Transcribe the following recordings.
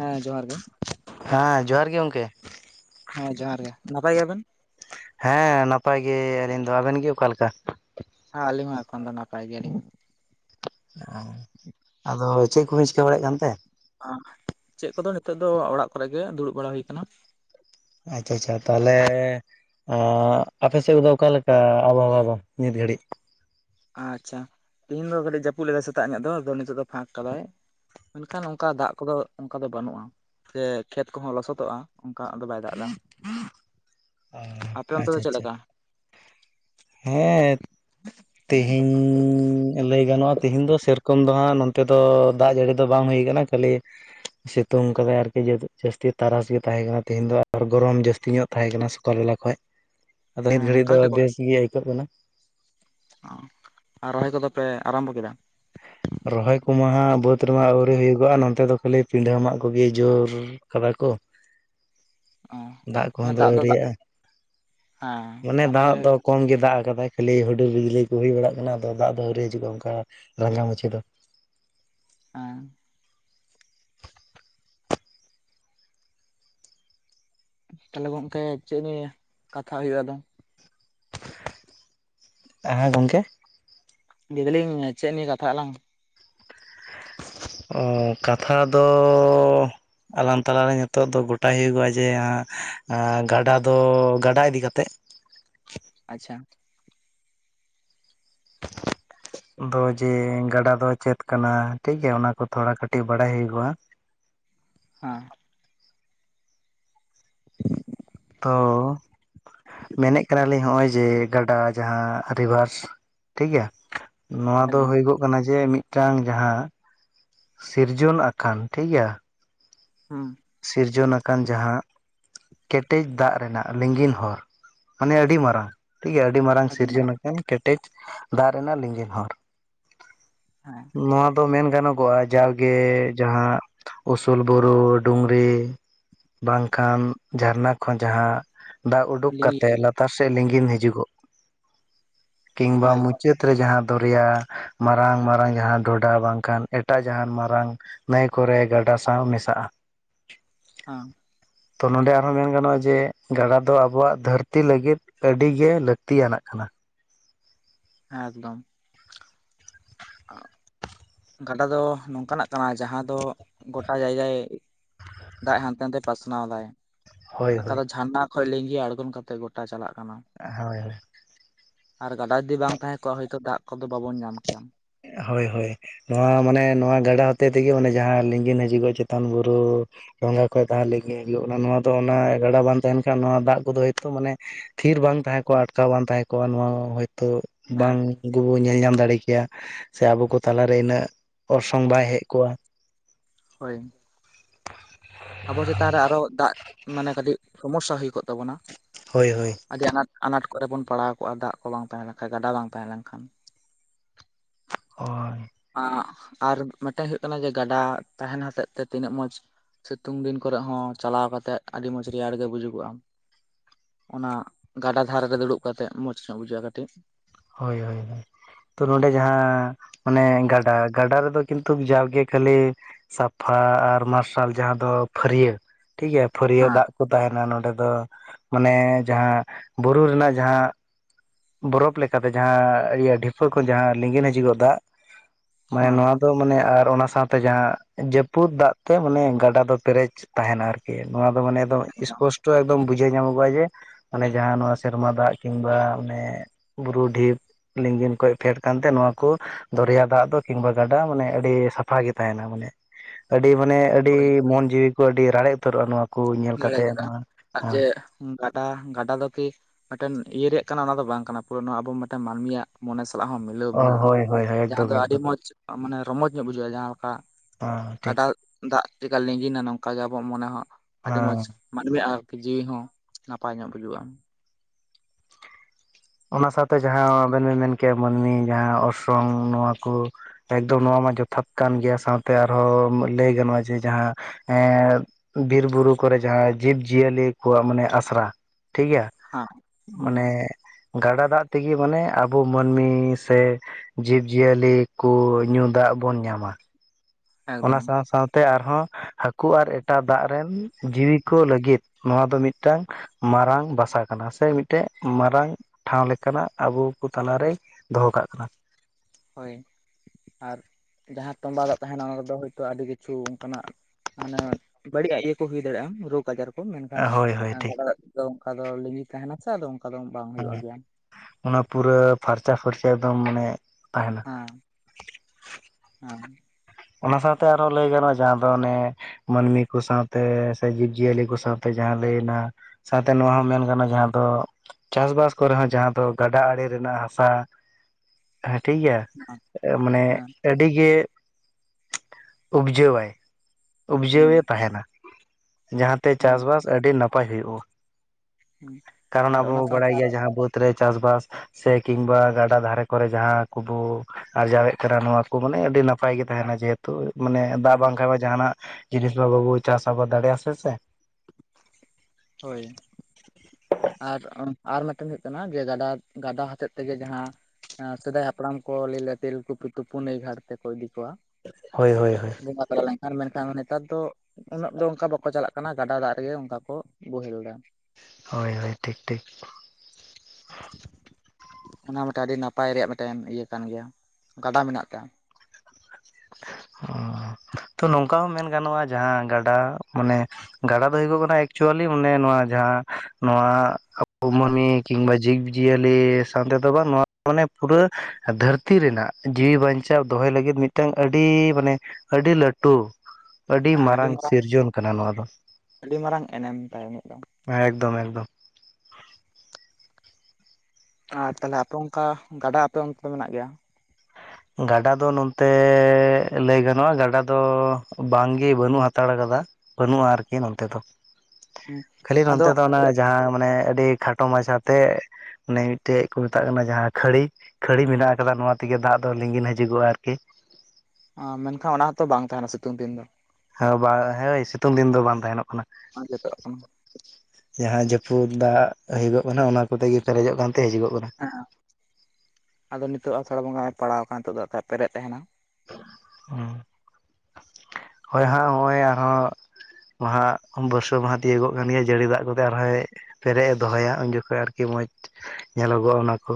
ᱦᱮᱸ ᱡᱚᱦᱟᱨ ᱜᱮ ᱾ ᱦᱮᱸ ᱡᱚᱦᱟᱨ ᱜᱮ ᱜᱚᱝᱠᱮ ᱾ ᱦᱮᱸ ᱡᱚᱦᱟᱨ ᱜᱮ ᱱᱟᱯᱟᱭ ᱜᱮᱭᱟᱵᱤᱱ ᱾ ᱦᱮᱸ ᱱᱟᱯᱟᱭ ᱜᱮ ᱟᱹᱞᱤᱧ ᱫᱚ ᱟᱵᱤᱱ ᱜᱮ ᱚᱠᱟᱞᱮᱠᱟ ᱾ ᱦᱮᱸ ᱟᱹᱞᱤᱧ ᱦᱚᱸ ᱮᱠᱷᱚᱱ ᱫᱚ ᱱᱟᱯᱟᱭ ᱜᱮᱭᱟᱞᱤᱧ ᱾ ᱦ ᱟᱫᱚ ᱪᱮᱫ ᱠᱚᱰᱤᱱ ᱪᱤᱠᱟᱹ ᱵᱟᱲᱟᱭᱮᱫ ᱠᱟᱱ ᱛᱟᱦᱮᱸ? ᱟ ᱪᱮᱫ ᱠᱚᱫᱚ ᱱᱤᱛᱚᱜ ᱫᱚ ᱚᱲᱟᱜ ᱠᱚᱨᱮ ᱜᱮ ᱫᱩᱲᱩᱵ ᱵᱟᱲᱟ ᱦᱩᱭ ᱟᱠᱟᱱᱟ ᱾ ᱟᱪᱪᱷᱟ ᱟᱪᱪᱷᱟ ᱛᱟᱦᱞᱮ ᱮ ᱟᱯᱮ ᱥᱮᱫᱫᱚ ᱚᱠᱟᱞᱮᱠᱟ ᱟᱵᱚᱦᱟᱣᱟ ᱫᱚ ᱱᱤᱛ ᱜᱷᱟᱹᱲᱤᱡ? ᱟᱪᱪᱷᱟ ᱛᱤᱦᱤᱧ ᱫᱚ ᱡᱟᱹᱯᱩᱫ ᱞᱮᱫᱟᱭ ᱥᱮᱛᱟᱜ ᱧᱚᱜ ᱫᱚ ᱟᱫᱚ ᱱᱤᱛᱚᱜ ᱫᱚ ᱯᱷᱟᱸᱠ ᱠᱟᱫᱟᱭ ᱾ ᱢᱮᱱᱠᱷᱟᱱ ᱚᱱᱠᱟ ᱫᱟᱜ ᱠᱚᱫᱚ ᱚᱱᱠᱟ ᱫᱚ ᱵᱟᱹᱱᱩᱜᱼᱟ ᱾ ᱥᱮ ᱠᱷᱮᱛ ᱠᱚᱦᱚᱸ ᱞᱚᱥᱚᱫᱚᱜᱼᱟ ᱚᱱᱠᱟ ᱫᱚ ᱵᱟᱭ ᱫᱟᱜ ᱮᱫᱟ ᱾ ᱟᱪᱪᱷᱟ ᱟᱪᱪᱷᱟ ᱦᱮᱸ ᱛᱮᱦᱮᱧ ᱞᱟᱹᱭ ᱜᱟᱱᱚᱜᱼᱟ ᱛᱦᱤᱧ ᱫᱚ ᱥᱮᱨᱚᱠᱚᱢ ᱫᱚ ᱦᱟᱸᱜ ᱱᱚᱱᱛᱮ ᱫᱚ ᱫᱟᱜ ᱡᱟᱹᱲᱤ ᱫᱚ ᱵᱟᱝ ᱦᱩᱭ ᱠᱟᱱᱟ ᱠᱷᱟᱹᱞᱤ ᱥᱤᱛᱩᱝ ᱠᱟ ᱠᱟᱛᱮ ᱟᱨᱠᱤ ᱡᱟᱹᱥᱛᱤ ᱥᱤᱛᱩᱝ ᱠᱟᱫᱟᱭ ᱟᱨᱠᱤ ᱡᱟᱥᱛᱤ ᱛᱟᱨᱟᱥ ᱜᱮ ᱛᱟᱦᱮᱸ ᱠᱟᱱᱟ ᱛᱮᱦᱮᱧ ᱫᱚ ᱟᱨ ᱜᱚᱨᱚᱢ ᱡᱟᱹᱥᱛᱤ ᱧᱚᱜ ᱛᱟᱦᱮᱸ ᱠᱟᱱᱟ ᱥᱚᱠᱟᱞ ᱵᱮᱞᱟ ᱠᱷᱚᱡ ᱟᱫᱚ ᱱᱤᱛ ᱦᱮᱸ ᱜᱷᱟᱹᱲᱤᱡ ᱚᱱᱠᱟ ᱫᱚ ᱵᱮᱥ ᱜᱮ ᱟᱹᱭᱠᱟᱹᱜ ᱠᱟᱱᱟ ᱾ ᱚ ᱟᱨ ᱨᱚᱦᱚᱭ ᱠᱚᱫᱚ ᱯᱮ ᱟᱨᱟᱢᱵᱷᱚ ᱠᱮᱫᱟ ᱾ ᱨᱚᱦᱚᱭ ᱠᱚᱢᱟ ᱵᱟᱹᱫᱽ ᱨᱮᱢᱟ ᱟᱹᱣᱨᱤ ᱦᱩᱭᱩᱜᱚᱜᱼᱟ ᱱᱚᱛᱮ ᱫᱚ ᱠᱷᱟᱹᱞᱤ ᱯᱤᱰᱟᱹ ᱢᱟᱜ ᱠᱚᱜᱮ ᱡᱳᱨ ᱠᱟᱫᱟ ᱠᱚ ᱻ [inaudible] ᱫᱟᱜ ᱠᱚᱦᱚᱸ ᱫᱚ ᱟᱹᱣᱨᱤᱭᱟᱜᱼᱟ ᱾ ᱦᱮᱸ ᱢᱟᱱᱮ ᱫᱟᱜ ᱚᱱᱟᱜᱮ ᱫᱚ ᱦᱩᱭᱩᱜ ᱠᱟᱱᱟ, ᱠᱚᱢ ᱜᱮ ᱫᱟᱜ ᱟᱠᱟᱫᱟᱭ ᱾ ᱠᱷᱟᱹᱞᱤ ᱦᱩᱰᱮᱞ ᱵᱤᱡᱽᱞᱤ ᱠᱚ ᱦᱩᱭ ᱵᱟᱲᱟᱜ ᱠᱟᱱᱟ ᱟᱫᱚ ᱫᱟᱜ ᱫᱚ ᱟᱹᱣᱨᱤ ᱦᱤᱡᱩᱜᱼᱟ ᱚᱱᱠᱟ ᱨᱟᱸᱜᱟ ᱢᱟᱹᱪᱷᱤ ᱫᱚ ᱾ ᱦᱮᱸ ᱛᱟᱦᱞᱮ ᱜᱚᱝᱠᱮ ᱪᱮᱫ ᱱᱤᱭᱟ ᱠᱟᱛᱷᱟ ᱦᱩᱭᱩᱜ- ᱟ ᱫᱚ ᱾ ᱦᱮᱸ ᱜᱚᱝᱠᱮ ᱾ ᱞᱟᱹᱭ ᱫᱟᱞᱤᱧ ᱪᱮᱫ ᱱᱤᱭᱟᱹ ᱠᱟᱛᱷᱟᱜᱼᱟ ᱞᱟᱝ? ᱻ [inaudible] ᱚ ᱠᱟᱛᱷᱟ ᱫᱚ ᱻ ᱟᱞᱟᱝ ᱛᱟᱞᱟᱨᱮ ᱱᱤᱛᱚᱜ ᱫᱚ ᱜᱚᱴᱟ ᱦᱩᱭᱩᱜᱼᱟ, ᱡᱮ ᱟ ᱜᱟᱰᱟ ᱫᱚ ᱜᱟᱰᱟ ᱤᱫᱤ ᱠᱟᱛᱮᱜ ᱟᱪᱪᱷᱟ ᱻ [inaudible] ᱫᱚ ᱡᱮ ᱜᱟᱰᱟ ᱫᱚ ᱪᱮᱫ ᱠᱟᱱᱟ ᱴᱷᱤᱠᱜᱮᱭᱟ ᱚᱱᱟ ᱠᱚ ᱛᱷᱚᱲᱟ ᱠᱟᱹᱴᱤᱡ ᱵᱟᱲᱟᱭ ᱦᱩᱭᱩᱜᱼᱟ᱾ ᱟᱸ ᱛᱚ ᱢᱮᱱᱮᱫ ᱠᱟᱱᱟᱞᱤᱧ ᱱᱚᱜᱼᱚᱭ ᱡᱮ ᱜᱟᱰᱟ ᱡᱟᱦᱟᱸ ᱨᱤᱵᱷᱟᱨᱥ ᱴᱷᱤᱠ ᱜᱮᱭᱟ᱾ ᱱᱚᱣᱟ ᱫᱚ ᱮᱠᱫᱚᱢ ᱦᱩᱭᱩᱜᱚᱜ ᱠᱟᱱᱟ ᱡᱮ ᱢᱤᱫ ᱢᱤᱫᱴᱟᱝ ᱡᱟᱦᱟᱸ ᱥᱤᱨᱡᱚᱱ ᱟᱠᱟᱱ ᱴᱷᱤᱠ ᱜᱮᱭᱟ ᱦᱩᱸ ᱥᱤᱨᱡᱚᱱ ᱟᱠᱟᱱ ᱡᱟᱦᱟᱸ ᱠᱮᱴᱮᱡ ᱫᱟᱜ ᱨᱮᱱᱟᱜ ᱞᱤᱸᱜᱤᱱ ᱦᱚᱨ ᱢᱟᱱᱮ ᱟᱹᱰᱤ ᱢᱟᱨᱟᱝ ᱴᱷᱤᱠ ᱜᱮᱭᱟ ᱟᱹᱰᱤ ᱢᱟᱨᱟᱝ ᱥᱤᱨᱡᱚᱱ ᱟᱠᱟᱱ ᱠᱮᱴᱮᱡ ᱫᱟᱜ ᱨᱮᱱᱟᱜ ᱞᱤᱸᱜᱤᱱ ᱦᱚᱨ ᱦᱮᱸ ᱱᱚᱣᱟ ᱫᱚ ᱢᱮᱱ ᱜᱟᱱᱚᱜᱚᱜᱼᱟ᱾ ᱡᱟᱣᱜᱮ ᱡᱟᱦᱟᱸ ᱩᱥᱩᱞ ᱵᱩᱨᱩ, ᱰᱩᱝᱨᱤ ᱵᱟᱝᱠᱷᱟᱱ ᱡᱷᱟᱨᱱᱟ ᱠᱷᱚᱱ ᱡᱟᱦᱟᱸ ᱫᱟᱜ ᱩᱰᱩᱠ ᱞᱤᱸᱜᱤ ᱠᱟᱛᱮ ᱦᱤᱡᱩᱜ ᱞᱟᱛᱟᱨ ᱥᱮᱫ ᱞᱤᱝᱜᱤᱱ ᱦᱤᱡᱩᱜᱚᱜ ᱠᱤᱝᱵᱟ ᱦᱳᱭ ᱢᱩᱪᱟᱹᱫ ᱨᱮ ᱡᱟᱦᱟᱸ ᱫᱚᱨᱭᱟ ᱢᱟᱨᱟᱝ ᱢᱟᱨᱟᱝ ᱡᱟᱦᱟᱸ ᱰᱷᱚᱰᱟ ᱵᱟᱝᱠᱷᱟᱱ ᱮᱴᱟᱜ ᱡᱟᱦᱟᱱ ᱢᱟᱨᱟᱝ ᱱᱟᱹᱭ ᱠᱚᱨᱮ ᱜᱟᱰᱟ ᱥᱟᱶ ᱢᱮᱥᱟᱜᱼᱟ᱾ ᱦᱮᱸ ᱛᱚ ᱱᱚᱰᱮ ᱟᱨᱦᱚᱸ ᱢᱮᱱ ᱜᱟᱱᱚᱜᱼᱟ, ᱡᱮ ᱜᱟᱰᱟ ᱫᱚ ᱟᱵᱚᱣᱟᱜ ᱫᱷᱟᱹᱨᱛᱤ ᱞᱟᱹᱜᱤᱫ ᱟᱹᱰᱤᱜᱤ ᱞᱟᱹᱠᱛᱤᱭᱟᱱᱟᱜ ᱠᱟᱱᱟ᱾ ᱵ [inaudible] ᱮᱠᱫᱚᱢ ᱟᱨ ᱜᱟᱰᱟ ᱫᱚ ᱱᱚᱝᱠᱟᱱᱟᱜ ᱠᱟᱱᱟ ᱡᱟᱦᱟᱸ ᱫᱚ ᱜᱚᱴᱟ ᱡᱟᱭᱜᱟᱭ ᱫᱟᱜ ᱦᱟᱱᱛᱮ ᱱᱟᱛᱮ ᱯᱟᱥᱱᱟᱣ ᱫᱟᱭ ᱦᱳᱭ ᱚᱠᱟ ᱦᱳᱭ ᱫᱚ ᱡᱷᱟᱨᱱᱟ ᱠᱷᱚᱱ ᱞᱤᱸᱜᱤ ᱟᱬᱜᱚᱱ ᱠᱟᱛᱮᱜ ᱜᱚᱴᱟ ᱪᱟᱞᱟᱜ ᱠᱟᱱᱟ᱾ ᱦᱳᱭ ᱦᱳᱭ ᱟᱨ ᱜᱟᱰᱟ ᱡᱩᱫᱤ ᱵᱟᱝ ᱛᱟᱦᱮᱸ ᱠᱚᱜᱼᱟ ᱦᱳᱭᱛᱚ ᱫᱟᱜ ᱠᱚᱫᱚ ᱵᱟᱵᱚᱱ ᱧᱟᱢ ᱠᱮᱭᱟ᱾ ᱦᱳᱭ ᱦᱳᱭ ᱱᱚᱣᱟ ᱢᱟᱱᱮ ᱱᱚᱣᱟ ᱜᱟᱰᱟ ᱦᱚᱛᱮ ᱛᱮᱜᱮ ᱢᱟᱱᱮ ᱡᱟᱦᱟᱸ ᱞᱤᱸᱜᱤᱱ ᱦᱤᱡᱩᱜᱚᱜᱼᱟ᱾ ᱪᱮᱛᱟᱱ ᱵᱩᱨᱩ ᱰᱷᱚᱸᱜᱟ ᱠᱷ ᱛ ᱞᱤᱜᱤ ᱦᱩᱭᱩᱜ ᱠᱟᱱᱟ ᱱᱚᱣᱟ ᱫᱚ ᱚᱱᱟ ᱜᱟᱰᱟ ᱵᱟᱝ ᱛᱟᱦᱮᱸᱱ ᱠᱷᱟᱱ ᱱᱚᱣᱟ ᱫᱟᱜ ᱠᱚᱫᱚ ᱦᱚᱳᱭᱛᱳ ᱢᱟᱱᱮ ᱛᱷᱤᱨ ᱵᱟᱝ ᱛᱟᱦᱮᱸ ᱠᱚᱜᱼᱟ᱾ ᱟᱴᱠᱟᱣ ᱵᱟᱝ ᱛᱟᱦᱮᱸ ᱠᱚᱜᱼᱟ ᱱᱚᱣᱟ ᱦᱳᱭᱛᱳ ᱦᱮᱸ ᱵᱟᱝ ᱟᱵᱵᱚ ᱧᱮᱞ ᱧᱟᱢ ᱫᱟᱲᱮ ᱠᱮᱭᱟ᱾ ᱥᱮ ᱟᱵᱚ ᱠᱚ ᱛᱟᱞᱟᱨᱮ ᱩᱱᱟᱹᱜ ᱚᱨᱥᱚᱝ ᱵᱟᱭ ᱦᱮᱡ ᱠᱚᱜᱼᱟ᱾ ᱦᱳᱭ [inaudible] ᱟᱵᱚ ᱪᱮᱛᱟᱱ ᱨᱮ ᱟᱨᱚ ᱫᱟᱜ ᱢᱟᱱᱮ ᱠᱟᱹᱴᱤᱡ ᱥᱚᱢᱚᱥᱥᱟ ᱦᱩᱭ ᱠᱚᱜ ᱦᱳᱭ ᱦᱳᱭ ᱟᱹᱰᱤ ᱟᱱᱟᱴ- ᱟᱱᱟᱴ ᱠᱚᱨᱮ ᱵᱚᱱ ᱯᱟᱲᱟᱣ ᱠᱚᱜᱼᱟ ᱫᱟᱜ ᱠᱚ ᱵᱟᱝ ᱛᱟᱦᱮᱸ ᱞᱮᱱᱠᱷᱟᱱ ᱜᱟᱰᱟ ᱵᱟᱝ ᱛᱟᱦᱮᱸ ᱞᱮᱱᱠᱷᱟᱱ ᱚ ᱮ ᱟᱨ ᱢᱤᱫᱴᱮᱱ ᱦᱩᱭᱩᱜᱜ ᱠᱟᱱᱟ ᱡᱮ ᱜᱟᱰᱟ ᱛᱟᱦᱮᱸᱱ ᱦᱚᱛᱮᱫ ᱛᱮ ᱛᱤᱱᱟᱹᱜ ᱢᱚᱸᱡᱽ ᱥᱤᱛᱩᱝ ᱫᱤᱱ ᱠᱚᱨᱮᱜ ᱦᱚᱸ ᱪᱟᱞᱟᱣ ᱠᱟ ᱠᱟᱛᱮᱜ ᱟᱹᱰᱤ ᱢᱚᱸᱡ ᱨᱮᱭᱟᱲ ᱜᱮ ᱵᱩᱡᱩᱜᱚᱜᱼᱟ᱾ ᱚᱱᱟ ᱜᱟᱰᱟ ᱫᱷᱟᱨᱮ ᱨᱮ ᱫᱩᱲᱩᱵ ᱠᱟᱛᱮᱫ ᱢᱚᱸᱡᱽ ᱧᱚᱜ ᱵᱩᱡᱷᱟᱹᱜᱼᱟ, ᱠᱟᱹᱴᱤᱡ᱾ ᱦᱳᱭ ᱦᱳᱭ ᱛᱚ ᱱᱚᱸᱰᱮ ᱡᱟᱦᱟᱸ ᱟᱱᱮ ᱜᱟᱰᱟ ᱜᱟᱰᱟ ᱨᱮᱫᱚ ᱠᱤᱱᱛᱩ ᱡᱟᱣᱜᱮ ᱠᱷᱟᱹᱞᱤ ᱥᱟᱯᱷᱟ ᱟᱨ ᱢᱟᱨᱥᱟᱞ ᱡᱟᱦᱟᱸ ᱫᱚ ᱯᱷᱟᱹᱨᱭᱟᱹ ᱴᱷᱤᱠ ᱜᱮᱭᱟ ᱯᱷᱟᱹᱨᱭᱟᱹ ᱦᱮᱸ ᱫᱟᱜ ᱠᱚ ᱛᱟᱦᱮᱸᱱᱟ ᱱᱚᱸᱰᱮ ᱢᱟᱱᱮ ᱡᱟᱦᱟᱸ ᱵᱩᱨᱩ ᱨᱮᱱᱟᱜ ᱡᱟᱦᱟᱸ ᱵᱚᱨᱚᱯ ᱞᱮᱠᱟ ᱡᱟᱦᱟᱸ ᱤᱭᱟᱹ ᱰᱷᱤᱯᱟᱹ ᱠᱷᱚᱱ ᱡᱟᱦᱟᱸ ᱞᱤᱸᱜᱤᱱ ᱦᱤᱡᱩᱜᱚᱜ ᱫᱟᱜ ᱢᱟᱱᱮ ᱦᱮᱸ ᱱᱚᱣᱟ ᱫᱚ ᱢᱟᱱᱮ ᱚᱱᱟ ᱥᱟᱶᱛᱮ ᱡᱟᱦᱟᱸ ᱡᱟᱹᱯᱩᱫ ᱫᱟᱜ ᱛᱮ ᱢᱟᱱᱮ ᱜᱟᱰᱟ ᱫᱚ ᱯᱮᱨᱮᱡ ᱛᱟᱦᱮᱸᱱᱟ ᱟᱨᱠᱤ ᱱᱚᱣᱟ ᱢᱟᱱᱮ ᱫᱚ ᱥᱯᱚᱥᱴᱚ ᱮᱠᱫᱚᱢ ᱵᱩᱡᱩᱜ ᱵᱩᱡᱷᱟᱹᱣ ᱧᱟᱢᱚᱜᱚᱜᱼᱟ ᱡᱮᱚᱱᱮ ᱡᱟᱦᱟᱸ ᱥᱮᱨᱢᱟ ᱫᱟᱜ ᱠᱤᱢᱵᱟ ᱚᱱᱮ ᱵᱩᱨᱩ ᱰᱷᱤᱯ ᱞᱤᱸᱜᱤᱱ ᱠᱷᱚᱱ ᱯᱷᱮᱰ ᱠᱟᱱᱛᱮ ᱱᱚᱣᱟ ᱠᱚ ᱫᱚᱨᱭᱟ ᱫᱟᱜ ᱫᱚ ᱠᱤᱝᱵᱟ ᱜᱟᱰᱟ ᱢᱟᱱᱮ ᱟᱹᱰᱤ ᱥᱟᱯᱷᱟ ᱜᱮ ᱛᱟᱦᱮᱸᱱᱟ ᱢᱟᱱᱮ [inaudible] ᱟᱹᱰᱤ ᱢᱟᱱᱮ ᱟᱹᱰᱤ ᱦᱳᱭ ᱢᱚᱱ ᱡᱤᱣᱤ ᱠᱚ ᱟᱹᱰᱤ ᱨᱟᱲᱮᱡ ᱩᱛᱟᱹᱨᱚᱜᱼᱟ ᱱᱚᱣᱟ ᱠᱚ ᱧᱮᱞ ᱫᱟᱲᱮ ᱠᱟᱛᱮᱜ ᱠᱟᱜᱼᱟ ᱱᱚᱣᱟ ᱟᱨ ᱡᱮ ᱜᱟᱰᱟ ᱜᱟᱰᱟ ᱫᱚ ᱠᱤ ᱢᱤᱫᱴᱮᱱ ᱤᱭᱟᱹᱨ ᱨᱮᱭᱟᱜ ᱠᱟᱱᱟ ᱚᱱᱟ ᱫᱚ ᱵᱟᱝ ᱠᱟᱱᱟ ᱯᱩᱨ ᱱᱚᱣᱟ ᱟᱵᱚᱮᱱ ᱢᱟᱹᱱᱢᱤᱭᱟᱜ ᱢᱚᱱᱮ ᱥᱟᱞᱟᱜ ᱦᱚᱸ ᱢᱤᱞᱟᱹᱣ ᱚ ᱢᱮᱱᱟᱜᱼᱟ ᱦᱳᱭ ᱦᱳᱭ ᱦᱳᱭ ᱡᱟᱦᱟᱸ ᱮᱠᱫᱚᱢ ᱫᱚ ᱟᱹᱰᱤ ᱮᱠᱫᱚᱢ ᱢᱚᱸᱡᱽ ᱢᱟᱱᱮ ᱨᱚᱢᱚᱚᱡ ᱧᱚᱜ ᱵᱩᱡᱷᱟᱹᱜᱼᱟ ᱡᱟᱦᱟᱸ ᱚᱱᱠᱟ ᱦᱮᱸ ᱴᱷᱤᱠ ᱠᱟᱰᱟ ᱫᱟᱜ ᱞᱮᱠᱟ ᱞᱤᱸᱜᱤᱱᱟ ᱱᱚᱝᱠᱟ ᱜᱮ ᱟᱵᱚᱣᱟᱜ ᱢᱚᱱᱮ ᱦᱚᱸ ᱟᱹᱰᱤ ᱦᱮᱸ ᱢᱚᱸᱡᱽ ᱢᱟᱹᱱᱢᱤ ᱟᱨᱠᱤ ᱡᱤᱣᱤ ᱦᱚᱸ ᱱᱟᱯᱟᱭ ᱧᱚᱜ ᱵᱩᱡᱩᱜᱼᱟ᱾ ᱚᱱᱟ ᱥᱟᱶᱛᱮ ᱡᱟᱦᱟᱸ ᱟᱵᱮᱱ ᱵᱮᱱ ᱢᱮᱱ ᱠᱮᱭᱟ ᱢᱟᱹᱱᱢᱤ ᱡᱟᱦᱟᱸ ᱚᱨᱥᱚᱝ ᱱᱚᱣᱟ ᱠᱚ ᱮᱠᱫᱚᱢ ᱱᱚᱣᱟ ᱡᱚᱛᱷᱟᱛ ᱠᱟᱱ ᱜᱮᱭᱟ ᱥᱟᱶᱛᱮ ᱟᱨᱦᱚᱸ ᱞᱟᱹᱭ ᱜᱟᱱᱚᱜᱼᱟ ᱡᱮ ᱡᱟᱦᱟᱸ ᱵᱤᱨ ᱵᱩᱨᱩ ᱠᱚᱨᱮ ᱡᱟᱦᱟᱸ ᱡᱤᱵᱡᱤᱭᱟᱹᱞᱤ ᱠᱚᱣᱟᱜ ᱢᱟᱱᱮ ᱟᱥᱲᱟ ᱴᱷᱤᱠᱜᱮᱭᱟ ᱦᱟᱸ ᱦᱩᱸ ᱢᱟᱱᱮ ᱜᱟᱰᱟ ᱫᱟᱜ ᱛᱮᱜᱮ ᱢᱟᱱᱮ ᱟᱵᱚ ᱢᱟᱹᱱᱢᱤ ᱥᱮ ᱡᱤᱵᱽ ᱡᱤᱭᱟᱹᱞᱤ ᱠᱚ ᱧᱩ ᱫᱟᱜ ᱵᱚᱱ ᱧᱟᱢᱟ ᱚᱱᱟ ᱮᱠᱫᱚᱢ ᱥᱟᱶ ᱥᱟᱶᱛᱮ ᱟᱨ ᱦᱟᱹᱠᱩ ᱟᱨ ᱮᱴᱟᱜ ᱫᱟᱜ ᱨᱮᱱ ᱡᱤᱣᱤ ᱠᱚ ᱞᱟᱹᱜᱤᱫ ᱱᱚᱣᱟ ᱫᱚ ᱢᱤᱫᱴᱟᱝ ᱢᱟᱨᱟᱝ ᱵᱟᱥᱟ ᱠᱟᱱᱟ ᱥᱮ ᱢᱤᱫᱴᱮᱡ ᱢᱟᱨᱟᱝ ᱴᱷᱟᱶ ᱞᱮᱠᱟᱱᱟᱜ ᱟᱵᱚ ᱠᱚ ᱛᱟᱞᱟᱨᱮᱭ ᱫᱚᱦᱚ ᱠᱟᱜ ᱠᱟᱱᱟ ᱦᱳᱭ ᱟᱨ ᱡᱟᱦᱟᱸ ᱛᱚᱢᱵᱟᱣ ᱫᱟᱜ ᱛᱟᱦᱮᱸᱱᱟ ᱚᱱᱟ ᱨᱮᱫᱚ ᱦᱳᱭᱛᱳ ᱟᱹᱰᱤ ᱠᱤᱪᱷᱩ ᱚᱱᱠᱟᱱᱟᱜ ᱢᱟᱱᱮ ᱵᱟᱹᱲᱤᱡ ᱤᱭᱟᱹ ᱠᱚ ᱦᱩᱭ ᱫᱟᱲᱮᱭᱟᱜᱼᱟ ᱨᱳᱜᱽ ᱟᱡᱟᱨ ᱢᱮᱱᱠᱷᱟᱱ ᱦᱳᱭ ᱦᱳᱭ ᱴᱷᱤᱠ ᱜᱟᱰᱟ ᱫᱟᱜ ᱛᱮᱫᱚ ᱚᱱᱠᱟ ᱫᱚ ᱞᱤᱸᱜᱤ ᱛᱟᱦᱮᱱᱟ ᱥᱮ ᱟᱫᱚ ᱚᱱᱠᱟ ᱫᱚ ᱵᱟᱝ ᱦᱮᱸ ᱦᱩᱭᱩᱜᱼᱟ ᱜᱮᱭᱟ ᱚᱱᱟ ᱯᱩᱨᱟᱹ ᱯᱷᱟᱨᱪᱟ ᱯᱷᱚᱨᱪᱟ ᱮᱠᱫᱚᱢ ᱢᱟᱱᱮ ᱛᱟᱦᱮᱱᱟ ᱦᱮᱸ ᱦᱮᱸ ᱚᱱᱟ ᱥᱟᱶᱛᱮ ᱟᱨᱦᱚᱸ ᱞᱟᱹᱭ ᱜᱟᱱᱚᱜᱼᱟ ᱡᱟᱦᱟᱸ ᱫᱚ ᱚᱱᱮ ᱢᱟᱹᱱᱢᱤ ᱠᱚ ᱥᱟᱶᱛᱮ ᱥᱮ ᱡᱤᱵᱽ ᱡᱤᱭᱟᱹᱞᱤ ᱠᱚ ᱥᱟᱶᱛᱮ ᱡᱟᱦᱟᱸ ᱞᱟᱹᱭ ᱮᱱᱟ ᱥᱟᱶᱛᱮ ᱱᱚᱣᱟ ᱦᱚᱸ ᱢᱮᱱ ᱜᱟᱱᱚᱜᱼᱟ ᱫᱚ ᱪᱟᱥᱵᱟᱥ ᱠᱚᱨᱮ ᱦᱚᱸ ᱡᱟᱦᱟᱸ ᱫᱚ ᱜᱟᱰᱟ ᱟᱲᱮ ᱨᱮᱱᱟᱜ ᱦᱟᱥᱟ [inaudible] ᱦᱮᱸ ᱴᱷᱤᱠ ᱜᱮᱭᱟ ᱢᱟᱱᱮ ᱦᱮᱸ ᱟᱹᱰᱤ ᱜᱮ ᱩᱯᱡᱟᱹᱣᱟᱭ ᱦᱩᱸ ᱩᱯᱡᱟᱹᱣᱮ ᱛᱟᱦᱮᱱᱟ ᱡᱟᱦᱟᱸᱛᱮ ᱦᱩᱸ ᱪᱟᱥᱵᱟᱥ ᱟᱹᱰᱤ ᱱᱟᱯᱟᱭ ᱦᱩᱭᱩᱜᱼᱟ᱾ ᱦᱩᱸ ᱠᱟᱨᱚᱱ ᱟᱨ ᱟᱵᱚ ᱚᱱᱟ ᱵᱚᱱ ᱥᱟᱶᱛᱮ ᱵᱟᱲᱟᱭ ᱟᱨᱚ ᱜᱮᱭᱟ ᱡᱟᱦᱟᱸ ᱵᱟᱹᱫ ᱨᱮ ᱪᱟᱥᱵᱟᱥ ᱥᱮ ᱠᱤᱢᱵᱟ ᱜᱟᱰᱟ ᱫᱷᱟᱨᱮ ᱠᱚᱨᱮ ᱡᱟᱦᱟᱸ ᱠᱚᱵᱚ ᱟᱨᱡᱟᱣᱮᱫ ᱠᱟᱱᱟ ᱱᱚᱣᱟ ᱠᱚ ᱢᱟᱱᱮ ᱟᱹᱰᱤ ᱟᱹᱰᱤ ᱱᱟᱯᱟᱭ ᱜᱮ ᱛᱟᱦᱮᱸᱱᱟ ᱡᱮᱦᱮᱛᱩ ᱢᱟᱱᱮ ᱫᱟᱜ ᱵᱟᱝᱠᱷᱟᱱ ᱢᱟ ᱡᱟᱦᱟᱱᱟᱜ ᱡᱤᱱᱤᱥ ᱵᱟᱵᱚ ᱪᱟᱥ ᱟᱵᱟᱫ ᱫᱟᱲᱮᱭᱟᱜ ᱥᱮ ᱦᱳᱭ ᱟᱨ ᱟᱨ ᱢᱤᱫᱴᱮᱱ ᱦᱚᱭᱩᱜ ᱠᱟᱱᱟ ᱡᱮ ᱜᱟᱰᱟ ᱜᱟᱰᱟ ᱦᱚᱛᱮᱫ ᱛᱮᱜᱮ ᱡᱟᱦᱟᱸ ᱥᱮᱫᱟᱭ ᱦᱟᱯᱲᱟᱢ ᱠᱚ ᱞᱟᱹᱭ ᱛᱮᱞᱠᱩᱯᱤ ᱛᱩᱯᱩ ᱱᱟᱹᱭ ᱜᱷᱟᱴ ᱛᱮᱠᱚ ᱤᱫᱤ ᱠᱚᱣᱟ ᱦᱳᱭ ᱦᱳᱭ ᱦᱳᱭ ᱵᱚᱸᱜᱟ ᱛᱟᱞᱟ ᱞᱮᱱᱠᱷᱟᱱ ᱢᱮᱱᱠᱷᱟᱱ ᱱᱮᱛᱟᱨ ᱫᱚ ᱩᱱᱟᱹᱜ ᱫᱚ ᱚᱱᱠᱟ ᱵᱟᱠᱚ ᱪᱟᱞᱟᱜ ᱠᱟᱱᱟ ᱜᱟᱰᱟ ᱫᱟᱜ ᱨᱮᱜᱮ ᱚᱱᱠᱟ ᱠᱚ ᱵᱳᱦᱮᱞ ᱫᱟ ᱦᱳᱭ ᱦᱳᱭ ᱴᱷᱤᱠ ᱴᱷᱤᱠ [inaudible] ᱚᱱᱟ ᱢᱤᱫᱴᱮᱱ ᱟᱹᱰᱤ ᱱᱟᱯᱟᱭ ᱨᱮᱭᱟᱜ ᱢᱤᱫᱴᱮᱱ ᱤᱭᱟᱹ ᱠᱟᱱ ᱜᱮᱭᱟ ᱜᱟᱰᱟ ᱢᱮᱱᱟᱜ ᱛᱮ [inaudible] ᱛᱚ ᱱᱚᱝᱠᱟ ᱦᱚᱸ ᱢᱮᱱ ᱜᱟᱱᱚᱜᱼᱟ ᱛᱚ ᱛᱚ ᱱᱚᱝᱠᱚ ᱦᱚ ᱢᱮᱱ ᱜᱟᱱᱚᱜᱼᱟ ᱡᱟᱦᱟᱸ ᱜᱟᱰᱟ ᱢᱟᱱᱮ ᱜᱟᱰᱟ ᱫᱚ ᱦᱩᱭᱩᱜ ᱠᱟᱱᱟ ᱮᱠᱪᱩᱭᱮᱞᱤ ᱢᱟᱱᱮ ᱱᱚᱣᱟ ᱡᱟᱦᱟᱸ ᱱᱚᱣᱟ ᱢᱟᱹᱱᱢᱤ ᱠᱤᱝᱵᱟ ᱡᱤᱵᱽᱼᱡᱤᱭᱟᱹᱞᱤ ᱥᱟᱶ ᱛᱮᱫᱚ ᱵᱟᱝ ᱱᱚᱣᱟ ᱢᱟᱱᱮ ᱯᱩᱨᱟᱹ ᱫᱷᱟᱹᱨᱛᱤ ᱨᱮᱱᱟᱜ ᱡᱤᱣᱤ ᱵᱟᱧᱪᱟᱣ ᱫᱚᱦᱚᱭ ᱞᱟᱹᱜᱤᱫ ᱢᱤᱫ ᱢᱤᱫᱴᱟᱝ ᱟᱹᱰᱤ ᱢᱟᱱᱮ ᱟᱹᱰᱤ ᱞᱟᱹᱴᱩ ᱟᱹᱰᱤ ᱢᱟᱨᱟᱝ ᱥᱤᱨᱡᱚᱱ ᱠᱟᱱᱟ ᱱᱚᱣᱟ ᱫᱚ ᱟᱹᱰᱤ ᱢᱟᱨᱟᱝ ᱮᱱᱮᱢ ᱛᱟᱭ ᱢᱤᱫ ᱫᱚ ᱮᱠᱫᱚᱢ ᱮᱠᱫᱚᱢ ᱟᱨ ᱛᱟᱦᱞᱮ ᱟᱯᱮ ᱚᱱᱠᱟ ᱜᱟᱰᱟ ᱟᱯᱮ ᱚᱱᱛᱮ ᱢᱮᱱᱟᱜ ᱜᱮᱭᱟ? ᱜᱟᱰᱟ ᱫᱚ ᱱᱚᱱᱛᱮ ᱞᱟᱹᱭ ᱜᱟᱱᱚᱜᱼᱟ ᱜᱟᱰᱟ ᱫᱚ ᱵᱟᱝᱜᱮ ᱵᱟᱹᱱᱩᱜ ᱦᱟᱛᱟᱲ ᱠᱟᱫᱟ ᱵᱟᱹᱱᱩᱜᱼᱟ ᱟᱨᱠᱤ ᱱᱚᱛᱮ ᱫᱚ ᱠᱷᱟᱹᱞᱤ ᱟᱫᱚ ᱱᱚᱛᱮ ᱫᱚ ᱚᱱᱟ ᱡᱟᱦᱟᱸ ᱢᱟᱱᱮ ᱟᱹᱰᱤ ᱠᱷᱟᱴᱚ ᱢᱟᱪᱷᱟᱛᱮ ᱢᱤᱫᱴᱮᱡ ᱠᱚ ᱢᱮᱛᱟᱜ ᱠᱟᱱᱟ ᱡᱟᱦᱟᱸ ᱠᱷᱟᱹᱲᱤ ᱠᱷᱟᱹᱲᱤ ᱢᱮᱱᱟᱜ ᱟᱠᱟᱫᱟ ᱱᱚᱣᱟ ᱛᱮᱜᱮ ᱫᱟᱜ ᱫᱚ ᱞᱤᱸᱜᱤᱱ ᱦᱤᱡᱩᱜᱚᱜᱼᱟ ᱟᱨᱠᱤ ᱢᱮᱱᱠᱷᱟᱱ ᱚᱱᱟ ᱦᱚᱸᱛᱚ ᱵᱟᱝ ᱛᱟᱦᱮᱱᱟ ᱥᱤᱛᱩᱝ ᱫᱤᱱ ᱫᱚ ᱦᱮᱸ ᱵᱟᱝ ᱦᱳᱭ ᱥᱤᱛᱩᱝ ᱫᱤᱱ ᱫᱚ ᱵᱟᱝ ᱛᱟᱦᱮᱸᱱᱚᱜ ᱟᱨ ᱡᱛᱟᱜ ᱠᱟᱱᱟ [unintelligible] ᱡᱟᱦᱟᱸ ᱡᱟᱹᱯᱩᱫ ᱫᱟᱜ ᱦᱩᱭᱩᱜᱚᱜ ᱠᱟᱱᱟ ᱚᱱᱟ ᱠᱚ ᱛᱮᱜ ᱜᱮ ᱯᱮᱨᱮᱡᱚᱜ ᱠᱟᱱ ᱛᱟᱦᱮᱸᱱᱟ ᱦᱮᱸ ᱟᱫᱚ ᱱᱤᱛᱚᱜ ᱟᱥᱟᱲ ᱵᱚᱝᱜᱟᱭ ᱯᱟᱲᱟᱣ ᱟᱠᱟᱱᱟ ᱱᱤᱛᱚᱜ ᱫᱚ ᱵᱟᱠᱷᱟᱡ ᱯᱮᱨᱮᱡ ᱛᱟᱦᱮᱸᱱᱟ ᱦᱳᱭ ᱦᱟᱸ ᱱᱚᱜᱼᱚᱭ ᱟᱨᱦᱚᱸ ᱢᱟᱦᱟ ᱵᱚᱨᱥᱟᱹ ᱢᱟᱦᱟ ᱛᱤᱭᱳᱜᱚᱜ ᱠᱟᱱ ᱜᱮᱭᱟᱭ ᱡᱟᱹᱲᱤ ᱫᱟᱜ ᱠᱚᱛᱮ ᱟᱨᱦᱚᱸᱭ ᱯᱮᱨᱮᱡ ᱮ ᱫᱚᱦᱚᱭᱟ ᱩᱱ ᱡᱚᱠᱷᱚᱱ ᱟᱨᱠᱤ ᱢᱚᱡᱽ ᱧᱮᱞᱚᱜᱚᱜᱼᱟ ᱚᱱᱟ ᱠᱚ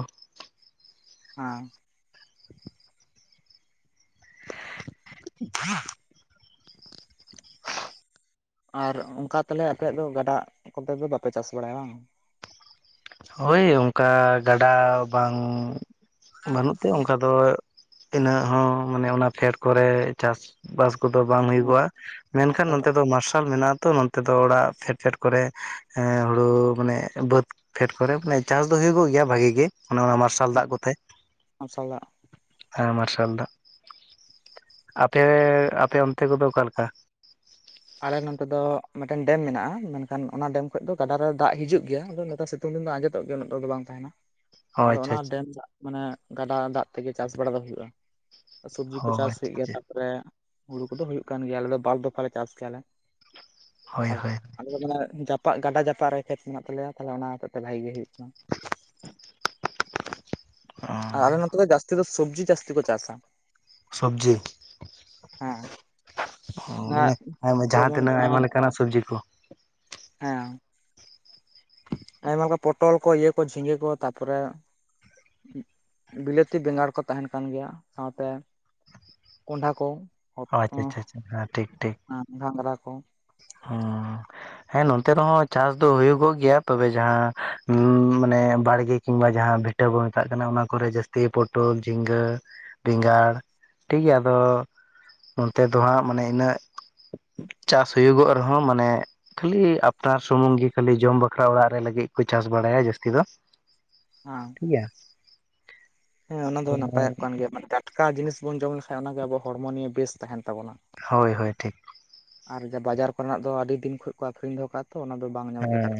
ᱦᱮᱸ ᱦᱮᱸ [inaudible] ᱟᱨ ᱚᱱᱠᱟ ᱛᱟᱦᱞᱮ ᱟᱯᱮᱭᱟᱜ ᱫᱚ ᱜᱟᱰᱟ ᱠᱚᱛᱮ ᱫᱚ ᱵᱟᱯᱮ ᱪᱟᱥ ᱵᱟᱲᱟᱭᱟ ᱵᱟᱝ ᱦᱳᱭ ᱚᱱᱠᱟ ᱜᱟᱰᱟ ᱵᱟᱝ ᱵᱟᱹᱱᱩᱜ ᱛᱮ ᱚᱱᱠᱟ ᱫᱚ ᱤᱱᱟᱹᱜ ᱦᱚᱸ ᱢᱟᱱᱮ ᱚᱱᱟ ᱯᱷᱮᱰ ᱠᱚᱨᱮ ᱪᱟᱥ ᱵᱟᱥ ᱠᱚᱫᱚ ᱵᱟᱝ ᱦᱩᱭᱩᱜᱼᱟ ᱢᱮᱱᱠᱷᱟᱱ ᱟᱨ ᱱᱚᱱᱚᱛᱮ ᱫᱚ ᱢᱟᱨᱥᱟᱞ ᱢᱮᱱᱟᱜ ᱛᱚ ᱱᱚᱛᱮ ᱫᱚ ᱚᱲᱟᱜ ᱯᱷᱮᱰᱯᱷᱰ ᱠᱚᱨᱮ ᱦᱩᱲᱩ ᱢᱟᱱᱮ ᱵᱟᱹᱫᱽ ᱯᱷᱮᱰ ᱠᱚᱨᱮ ᱢᱟᱱᱮ ᱪᱟᱥ ᱫᱚ ᱦᱩᱭᱩᱜᱚᱜ ᱜᱮᱭᱟ ᱵᱷᱟᱜᱤ ᱜᱮ ᱚᱱᱮ ᱚᱱᱟ ᱢᱟᱨᱥᱟᱞ ᱫᱟᱜ ᱠᱚᱛᱷᱮᱡ ᱟᱥᱟᱲ ᱫᱟᱜ ᱢᱟᱨᱥᱟᱞ [unintelligible] ᱟᱯᱮ ᱟᱯᱮ ᱚᱱᱛᱮ ᱠᱚᱫᱚ ᱚᱠᱟ ᱞᱮᱠᱟ ᱟᱞᱮ ᱱᱚᱱᱛᱮ ᱫᱚ ᱢᱤᱫᱴᱮᱱ ᱰᱮᱢ ᱢᱮᱱᱟᱜᱼᱟ ᱢᱮᱱᱠᱷᱟᱱ ᱚᱱᱟ ᱰᱮᱢ ᱠᱷᱚᱡ ᱫᱚ ᱜᱟᱰᱟ ᱨᱮ ᱫᱟᱜ ᱦᱤᱡᱩᱜ ᱜᱤᱭᱟ ᱟᱫᱚ ᱱᱮᱛᱟᱨ ᱥᱤᱛᱩᱝ ᱩᱱ ᱫᱚ ᱟᱸᱡᱮᱛᱚᱜ ᱜᱮᱭᱟ ᱩᱱᱟᱹᱜ ᱴᱟ ᱫᱚ ᱵᱟᱝ ᱛᱟᱦᱮᱸᱱᱟ ᱚ ᱟᱫᱚ ᱟᱪᱪᱷᱟ ᱚᱱᱟ ᱟᱪᱪᱷᱟ ᱰᱮᱢ ᱫᱟᱜ ᱢᱟᱱᱮ ᱜᱟᱰᱟ ᱫᱟᱜ ᱛᱮᱜᱮ ᱪᱟᱥ ᱵᱟᱲᱟ ᱫᱚ ᱦᱩᱭᱩᱜᱼᱟ ᱥᱚᱵᱽᱡᱤ ᱠᱚ ᱚ ᱪᱟᱥ ᱟᱪᱪᱷᱟ ᱦᱩᱭᱩᱜ ᱜᱮᱭᱟ ᱟᱪᱪᱷᱟ ᱛᱟᱯᱨᱮ ᱦᱩᱲᱩ ᱠᱚᱫᱚ ᱦᱩᱭᱩᱜ ᱠᱟᱱ ᱜᱮᱭᱟ ᱟᱞᱮ ᱫᱚ ᱵᱟᱨ ᱫᱚᱯᱷᱟ ᱞᱮ ᱪᱟᱥᱼᱟ ᱪᱮᱞᱮ ᱦᱳᱭ ᱟᱨ ᱦᱳᱭ ᱟᱞᱮ ᱫᱚ ᱢᱟᱱᱮ ᱡᱟᱯᱟᱜ ᱜᱟᱰᱟ ᱡᱟᱯᱟᱜ ᱨᱮ ᱠᱷᱮᱛ ᱢᱮᱱᱟᱜ ᱛᱟᱞᱮᱭᱟ ᱛᱟᱦᱚᱞᱮ ᱚᱱᱟ ᱦᱚᱛᱮᱡ ᱛᱮ ᱵᱷᱟᱜᱤ ᱜᱮ ᱦᱩᱭᱩᱜ ᱚ ᱟᱞᱮ ᱱᱚᱛᱮ ᱫᱚ ᱡᱟᱥᱛᱤ ᱫᱚ ᱥᱚᱵᱽᱡᱤ ᱡᱟᱹᱥᱛᱤ ᱠᱚ ᱪᱟᱥᱟ ᱥᱚᱵᱽᱡᱤ ᱦᱮᱸ ᱚᱱᱟ ᱦᱚᱸ ᱢᱟᱱᱮ ᱡᱟᱦᱟᱸ ᱡᱮᱢᱚᱱ ᱛᱤᱱᱟᱹᱜ ᱟᱸ ᱟᱭᱢᱟ ᱞᱮᱠᱟᱱᱟᱜ ᱥᱚᱵᱽᱡᱤ ᱠᱚ ᱦᱮᱸ ᱟᱭᱢᱟ ᱞᱮᱠᱟ ᱯᱚᱴᱚᱞ ᱠᱚ ᱤᱭᱟᱹ ᱠᱚ ᱡᱷᱤᱸᱜᱟᱹ ᱠᱚ ᱛᱟᱨᱯᱚᱨᱮ ᱵᱤᱞᱟᱹᱛᱤ ᱵᱮᱸᱜᱟᱲ ᱠᱚ ᱛᱟᱦᱮᱱ ᱠᱟᱱ ᱜᱮᱭᱟ ᱥᱟᱶᱛᱮ ᱠᱚᱸᱰᱷᱟ ᱠᱚ᱾ ᱟᱪᱪᱷᱟ ᱟᱪᱪᱷᱟ ᱟᱪᱷᱟ ᱦᱮᱸ ᱴᱷᱤᱠ ᱴᱷᱤᱠ ᱠᱚᱸᱠᱷ [unintelligible] ᱦᱸ ᱦᱮᱸ ᱱᱚᱱᱛᱮ ᱨᱮᱦᱚᱸ ᱪᱟᱥ ᱫᱚ ᱦᱩᱭᱩᱜᱚᱜ ᱜᱮᱭᱟ ᱛᱚᱵᱮ ᱡᱟᱦᱟᱸ ᱢᱟᱱᱮ ᱵᱟᱲᱜᱮ ᱠᱤᱱᱵᱟ ᱡᱟᱦᱟᱸ ᱵᱷᱤᱴᱟᱹ ᱵᱚ ᱢᱮᱛᱟᱜ ᱠᱟᱱᱟ ᱚᱱᱟ ᱠᱚᱨᱮ ᱡᱟᱹᱥᱛᱤ ᱯᱚᱴᱚᱞ ᱡᱷᱤᱸᱜᱟᱹ ᱵᱮᱸᱜᱟᱲ ᱴᱷᱤᱠᱜᱮᱭᱟ ᱟᱫᱚ ᱱᱚᱱᱛᱮ ᱫᱚ ᱦᱟᱜ ᱢᱟᱱᱮ ᱤᱱᱟᱹᱜ ᱪᱟᱥ ᱦᱩᱭᱩᱜᱚᱜ ᱨᱮᱦᱚᱸ ᱢᱟᱱᱮ ᱠᱷᱟᱹᱞᱤ ᱟᱯᱱᱟᱨ ᱥᱩᱢᱩᱝ ᱜᱤ ᱠᱷᱟᱹᱞᱤ ᱡᱚᱢ ᱵᱟᱠᱷᱨᱟ ᱚᱲᱟᱜ ᱨᱮ ᱞᱟᱹᱜᱤᱫ ᱠᱚ ᱪᱟᱥ ᱵᱟᱲᱟᱭᱟ ᱡᱟᱹᱥᱛᱤ [unintelligible] ᱫᱚ ᱦᱮᱸ ᱴᱷᱤᱠ ᱜᱮᱭᱟ ᱦᱮᱸ ᱚᱱᱟ ᱫᱚ ᱱᱟᱯᱟᱭᱚᱜ ᱠᱟᱱ ᱜᱮᱭᱟ ᱢᱟᱱᱮ ᱦᱮᱸ ᱢᱟᱱᱮ ᱴᱟᱴᱠᱟ ᱡᱤᱱᱤᱥ ᱵᱩᱱ ᱡᱚᱢ ᱞᱮᱠᱷᱟᱱ ᱚᱱᱟᱜᱮ ᱟᱵᱚ ᱦᱚᱲᱢᱚ ᱱᱤᱭᱮ ᱵᱮᱥ ᱛᱟᱦᱮᱱᱟ᱾ ᱦᱳᱭ ᱦᱳᱭ ᱴᱷᱤᱠ᱾ ᱟᱨ ᱵᱟᱡᱟᱨ ᱠᱚᱨᱮᱱᱟᱜ ᱫᱚ ᱟᱹᱰᱤ ᱫᱤᱱ ᱠᱷᱚᱱ ᱠᱚ ᱟᱹᱠᱷᱨᱤᱧ ᱫᱚᱦᱚ ᱠᱟᱛ᱾ ᱦᱮᱸ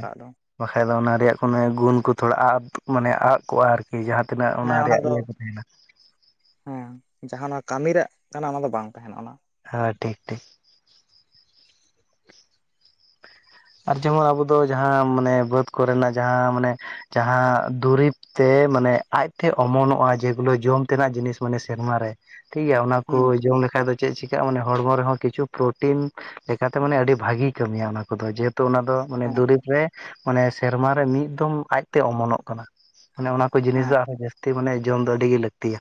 ᱵᱟᱠᱷᱟᱡ ᱫᱚ ᱚᱱᱟ ᱨᱮᱭᱟᱜ ᱠᱳᱱᱳ ᱜᱩᱱ ᱠᱚ ᱛᱷᱩᱲᱟ ᱟᱫ ᱢᱟᱱᱮ ᱟᱫ ᱠᱚᱜᱼᱟ ᱟᱨᱠᱤ᱾ ᱡᱟᱦᱟᱸ ᱛᱤᱱᱟᱹᱜ ᱦᱮᱸ ᱚᱱᱟ ᱨᱮᱭᱟᱜ ᱫᱚ ᱤᱭᱟᱹ ᱠᱚ ᱛᱟᱦᱮᱱᱟ᱾ ᱠᱟᱢᱤ ᱨᱮᱭᱟᱜ ᱠᱟᱱᱟ ᱚᱱᱟ ᱫᱚ ᱵᱟᱝ ᱛᱟᱸᱦᱮᱱᱟ ᱚᱱᱟ᱾ ᱦᱮᱸ ᱴᱷᱤᱠ ᱴᱷᱤᱠ᱾ ᱟᱨ ᱡᱮᱢᱚᱱ ᱟᱵᱩ ᱫᱚ ᱡᱟᱦᱟᱸ ᱢᱟᱱᱮ ᱵᱟᱹᱫᱽ ᱠᱚᱨᱮᱱᱟᱜ ᱡᱟᱦᱟᱸ ᱢᱟᱱᱮ ᱡᱟᱸᱦᱟ ᱫᱩᱨᱤᱵᱽ ᱛᱮ᱾ ᱢᱟᱱᱮ ᱟᱡᱴᱷᱮ ᱚᱢᱚᱱᱚᱜᱼᱟ᱾ ᱡᱮᱜᱩᱞᱳ ᱡᱚᱢ ᱛᱮᱱᱟᱜ ᱡᱤᱱᱤᱥ ᱢᱟᱱᱮ ᱥᱮᱨᱢᱟ ᱨᱮ᱾ ᱴᱷᱤᱠᱜᱤᱭᱟ ᱚᱱᱟ ᱠᱚ ᱦᱩᱸ ᱡᱚᱢ ᱞᱮᱠᱷᱟᱡ ᱫᱚ ᱪᱮᱫ ᱪᱤᱠᱟᱜ ᱟ ᱢᱟᱱᱮ ᱦᱚᱲᱢᱚ ᱨᱮᱦᱚᱸ ᱠᱤᱪᱷᱩ ᱯᱨᱳᱴᱤᱱ ᱞᱮᱠᱟᱛᱮ ᱢᱟᱱᱮ ᱟᱹᱰᱤ ᱵᱷᱟᱜᱤ ᱠᱟᱹᱢᱤᱭᱟ ᱚᱱᱟ ᱠᱚᱫᱚ ᱡᱮ ᱛᱚ ᱚᱱᱟ ᱫᱚ ᱢᱟᱱᱮ ᱦᱮᱸ ᱫᱩᱨᱤᱵᱽ ᱨᱮ ᱢᱟᱱᱮ ᱥᱮᱨᱢᱟ ᱨᱮ ᱢᱤᱫ ᱫᱷᱚᱢ ᱟᱡᱛᱮ ᱚᱢᱚᱱᱚᱜ ᱠᱟᱱᱟ᱾ ᱢᱟᱱᱮ ᱚᱱᱟ ᱠᱚ ᱡᱤᱱᱤᱥ ᱫᱚ ᱦᱮᱸ ᱟᱨᱦᱚᱸ ᱡᱟᱹᱥᱛᱤ ᱢᱟᱱᱮ ᱡᱚᱢ ᱫᱚ ᱟᱹᱰᱤᱜᱮ ᱞᱟᱹᱠᱛᱤᱭᱟ᱾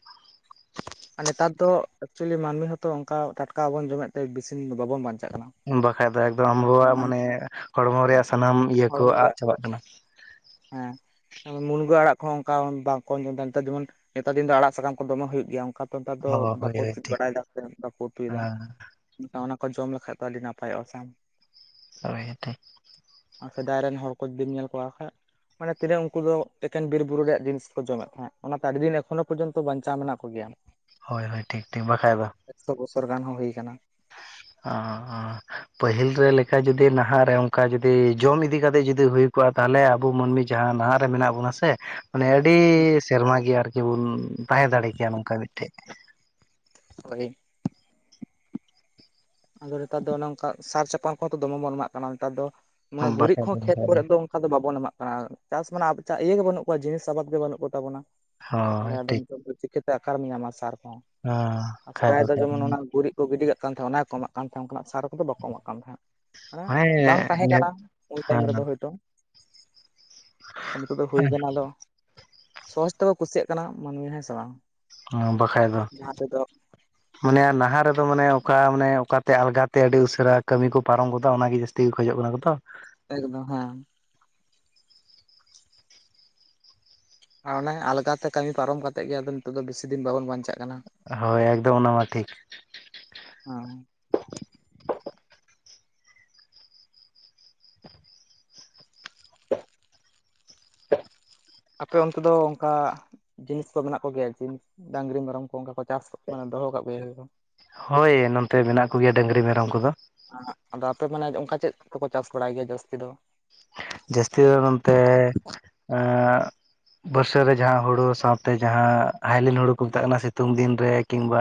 ᱱᱮᱛᱟᱨ ᱫᱚ ᱮᱠᱪᱩᱭᱮᱞᱤ ᱢᱟᱹᱱᱢᱤ ᱦᱚᱛᱚ ᱚᱱᱠᱟ ᱴᱟᱴᱠᱟ ᱵᱟᱵᱚᱱ ᱡᱚᱢᱮᱫ ᱛᱮ ᱵᱤᱥᱤᱫᱤᱱ ᱫᱚ ᱵᱟᱵᱚᱱ ᱵᱟᱧᱪᱟᱜ ᱠᱟᱱᱟ ᱵᱟᱠᱷᱟᱡ ᱫᱚ ᱮᱠᱫᱚᱢ ᱟᱵᱚᱣᱟᱜ ᱢᱟᱱᱮ ᱦᱚᱲᱢᱚ ᱨᱮᱭᱟᱜ ᱥᱟᱱᱟᱢ ᱤᱭᱟᱹ ᱠᱚ ᱦᱚᱲᱢᱚ ᱨᱮ ᱟᱫ ᱪᱟᱵᱟᱜ ᱠᱟᱱᱟ᱾ ᱦᱮᱸ ᱢᱩᱱᱜᱟᱹ ᱟᱲᱟᱜ ᱠᱚᱦᱚᱸ ᱚᱱᱠᱟ ᱵᱟᱝᱠᱚ ᱧᱩᱫᱟ ᱱᱮᱛᱟᱨ ᱡᱮᱢᱚᱱ ᱱᱮᱛᱟᱨ ᱫᱤᱱ ᱫᱚ ᱟᱲᱟᱜ ᱥᱟᱠᱟᱢ ᱠᱚ ᱫᱚᱢᱮ ᱦᱩᱭᱩᱜ ᱜᱮᱭᱟ ᱚᱱᱠᱟ ᱱᱮᱛᱟᱨ ᱫᱚ ᱦᱳᱭ ᱵᱟᱠᱚ ᱦᱳᱭ ᱥᱤᱫ ᱴᱷᱤᱠ ᱵᱟᱲᱟᱭᱮᱫᱟ ᱥᱮ ᱵᱟᱠᱚ ᱩᱛᱩᱭᱮᱫᱟ ᱦᱮᱸ ᱢᱮᱱᱠᱷᱟᱱ ᱚᱱᱟ ᱠᱚ ᱡᱚᱢ ᱞᱮᱠᱷᱟᱡ ᱫᱚ ᱟᱹᱰᱤ ᱱᱟᱯᱟᱭᱚᱜᱼᱟ ᱥᱮ᱾ ᱨᱚᱦᱮᱛᱮ ᱟᱨ ᱥᱮᱫᱟᱭ ᱨᱮᱱ ᱦᱚᱲ ᱠᱚ ᱡᱩᱫᱤᱢ ᱧᱮᱞ ᱠᱚᱣᱟ ᱦᱟᱸᱜ᱾ ᱢᱟᱱᱮ ᱛᱤᱱᱟᱹᱜ ᱩᱱᱠᱩ ᱫᱚ ᱮᱠᱮᱱ ᱵᱤᱨᱵᱩᱨᱩ ᱨᱮᱭᱟᱜ ᱡᱤᱱᱤᱥ ᱠᱚ ᱡᱚᱢᱮᱫ ᱛᱟᱦᱮᱸᱫ ᱚᱱᱟᱛᱮ ᱟᱹᱰᱤ ᱫᱤᱱ ᱮᱠᱷᱚᱱᱳ ᱯᱚᱨᱡᱚᱱᱛᱚ ᱵᱟᱧᱪᱟᱣ ᱢᱮᱱᱟᱜ ᱠᱚᱜᱮᱭᱟ᱾ ᱦᱳᱭ ᱦᱳᱭ ᱴᱷᱤᱠ ᱴᱷᱤᱠ ᱵᱟᱠᱷᱟᱡ ᱫᱚ ᱯᱨᱚᱜᱟᱱ ᱦᱚᱸ ᱦᱩᱭ ᱠᱟᱱᱟ ᱟᱸ-ᱟᱸ ᱯᱟᱹᱦᱤᱞ ᱨᱮ ᱞᱮᱠᱟ ᱡᱩᱫᱤ ᱱᱟᱦᱟᱜ ᱨᱮ ᱚᱱᱠᱟ ᱡᱩᱫᱤ ᱡᱚᱢ ᱤᱫᱤ ᱠᱟᱛᱮ ᱡᱩᱫᱤ ᱦᱩᱭ ᱠᱚᱜᱼᱟ᱾ ᱛᱷᱟᱞᱮ ᱟᱵᱚ ᱢᱟᱹᱱᱢᱤ ᱡᱟᱦᱟᱸ ᱱᱟᱱᱦᱟᱜ ᱨᱮ ᱢᱮᱱᱟᱜ ᱵᱚᱱᱟ ᱥᱮ ᱢᱟᱱᱮ ᱟᱹᱰᱤ ᱥᱮᱨᱢᱟ ᱜᱮ ᱟᱨᱠᱤ ᱵᱚᱱ ᱛᱟᱦᱮᱸ ᱫᱟᱲᱮ ᱠᱮᱭᱟ ᱱᱚᱝᱠᱟ ᱢᱤᱫᱴᱮᱡ ᱦᱳᱭ ᱟᱫᱚ ᱱᱮᱛᱟᱨ ᱫᱚ ᱚᱱᱮ ᱚᱱᱠᱟ ᱥᱟᱨ ᱪᱟᱯᱟᱱ ᱠᱚᱦᱚᱸ ᱫᱚᱢᱮ ᱵᱚᱱ ᱮᱢᱟᱜ ᱠᱟᱱᱟ ᱱᱮᱛᱟᱨ ᱫᱚ᱾ ᱢᱟᱱᱮ ᱜᱩᱨᱤᱡ ᱠᱚ ᱵᱟᱠᱷᱟᱡ ᱫᱚ ᱠᱷᱮᱛ ᱵᱟᱠᱷᱟᱡ ᱠᱚᱨᱮ ᱫᱚ ᱚᱱᱠᱟ ᱫᱚ ᱵᱟᱵᱚᱱ ᱮᱢᱟᱜ ᱠᱟᱱᱟ ᱪᱟᱥ ᱢᱟᱱᱮ ᱟ ᱤᱭᱟᱹ ᱜᱮ ᱵᱟᱹᱱᱩᱜ ᱟᱠᱟᱫᱟ᱾ ᱡᱤᱣᱮ ᱡᱤᱱᱤᱥ ᱥᱟᱵᱟᱫ ᱜᱮ ᱵᱟᱹᱱᱩᱜ ᱠᱚ ᱛᱟᱵᱚᱱᱟ ᱛᱟᱦᱚᱞᱮ ᱦᱳᱭ ᱟᱫᱚ ᱴᱷᱤᱠ ᱪᱤᱠᱛᱮᱟᱨᱮ ᱧᱟᱢᱟ ᱥᱟᱨ᱾ ᱥᱮᱫᱟᱭ ᱫᱚ ᱡᱮᱢᱚᱱ ᱚᱱᱟ ᱜᱩᱨᱤᱡ ᱠᱚ ᱜᱤᱰᱤ ᱠᱟᱜ ᱠᱟᱱ ᱛᱟᱦᱮᱸᱫ ᱚᱱᱟ ᱜᱮᱠᱚ ᱮᱢᱟᱜ ᱠᱟᱱ ᱛᱟᱦᱮᱸᱫ ᱚᱱᱠᱟᱱᱟᱜ ᱥᱟᱨ ᱠᱚᱫᱚ ᱵᱟᱠᱚ ᱮᱢᱟᱜ ᱠᱟᱱ ᱛᱟᱦᱮᱸᱫ ᱢᱟᱱᱮ ᱵᱟᱝ ᱛᱟᱦᱮᱸ ᱠᱟᱱᱟ ᱩᱱ ᱴᱟᱭᱤᱢ ᱨᱮᱫᱚ ᱦᱚᱭᱛᱳ ᱠᱟᱹᱢᱤ ᱠᱟᱫᱚ ᱦᱩᱭ ᱠᱟᱱᱟ ᱟᱫᱚ ᱥᱚᱦᱚᱡ ᱛᱮᱠᱚ ᱠᱩᱥᱤᱭᱟᱜ ᱠᱟᱱᱟ ᱢᱟᱹᱱᱢᱤ ᱦᱮᱸ ᱥᱮ ᱵᱟᱝ ᱵᱟᱠᱟᱡ ᱫᱚ ᱡᱟᱦᱟᱸ ᱛᱮᱫᱚ ᱢᱟᱱᱮ ᱱᱟᱦᱟᱜ ᱨᱮᱫᱚ ᱢᱟᱱᱮ ᱚᱠᱟ ᱢᱟᱱᱮ ᱚᱠᱟᱛᱮ ᱟᱞᱜᱟᱛᱮ ᱟᱹᱰᱤ ᱩᱥᱟᱹᱨᱟ ᱠᱟᱹᱢᱤ ᱠᱚ ᱯᱟᱨᱚᱢ ᱜᱚᱫᱟᱜ ᱚᱱᱟᱜᱮ ᱡᱟᱹᱥᱛᱤ ᱜᱮ ᱠᱷᱚᱡᱚᱜ ᱠᱟᱱᱟ ᱠᱚᱫᱚ ᱮᱠᱫᱚᱢ ᱦᱮᱸ ᱟᱨ ᱚᱱᱮ ᱟᱞᱜᱟᱛᱮ ᱠᱟᱹᱢᱤ ᱯᱟᱨᱚᱢ ᱠᱟᱛᱮᱜ ᱜᱮ ᱟᱫᱚ ᱱᱤᱛᱚᱜ ᱫᱚ ᱵᱮᱥᱤ ᱫᱤᱱ ᱵᱟᱵᱚᱱ ᱵᱟᱧᱪᱟᱜᱼᱟ᱾ ᱦᱳᱭ ᱮᱠᱫᱚᱢ ᱚᱱᱟ ᱢᱟ ᱴᱷᱤᱠ ᱦᱮᱸ [inaudible] [inaudible] ᱟᱯᱮ ᱚᱱᱛᱮ ᱫᱚ ᱚᱱᱠᱟ ᱡᱤᱱᱤᱥ ᱠᱚ ᱢᱮᱱᱟᱜ ᱠᱚᱜᱮᱭᱟ ᱡᱮ ᱰᱟᱝᱨᱤ ᱢᱮᱨᱚᱢ ᱠᱚ ᱚᱱᱠᱟ ᱠᱚ ᱪᱟᱥ ᱢᱟᱱᱮ? ᱫᱚᱦᱚ ᱠᱟᱜ ᱜᱮᱭᱟ? ᱦᱳᱭ ᱱᱚᱛᱮ ᱢᱮᱱᱟᱜ ᱠᱚᱜᱮᱭᱟ ᱰᱟᱝᱨᱤ ᱢᱮᱨᱚᱢ ᱠᱚᱫᱚ᱾ ᱛᱚ ᱢᱟᱱᱮ ᱚᱱᱠᱟ ᱪᱮᱫ ᱛᱮᱠᱚ ᱪᱟᱥ ᱵᱟᱲᱟᱭ ᱜᱮᱭᱟ ᱡᱟᱹᱥᱛᱤ ᱫᱚ? ᱡᱟᱹᱥᱛᱤ ᱫᱚ ᱱᱚᱱᱛᱮ [inaudible] ᱵᱟᱹᱨᱥᱟᱹ ᱨᱮ ᱡᱟᱦᱟᱸ ᱦᱩᱲᱩ ᱥᱟᱶᱛᱮ ᱡᱟᱦᱟᱸ ᱦᱟᱭᱞᱤᱱ ᱦᱩᱲᱩ ᱠᱚ ᱢᱮᱛᱟᱜ ᱠᱟᱱᱟ ᱥᱤᱛᱩᱝ ᱫᱤᱱ ᱨᱮ ᱠᱤᱝᱵᱟ